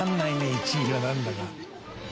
１位がなんだか。